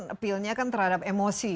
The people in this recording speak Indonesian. appeal nya kan terhadap emosi